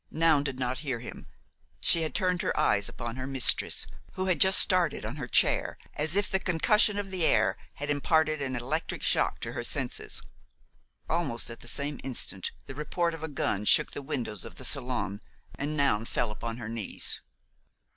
Noun did not hear him; she had turned her eyes upon her mistress, who had just started on her chair as if the concussion of the air had imparted an electric shock to her senses. Almost at the same instant the report of a gun shook the windows of the salon, and Noun fell upon her knees.